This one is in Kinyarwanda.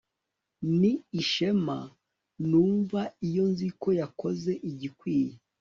ni ishema numva iyo nzi ko yakoze igikwiye